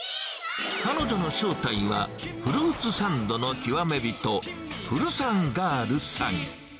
彼女の正体は、フルーツサンドの極め人、フルサンガールさん。